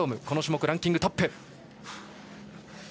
この種目ランキングトップ。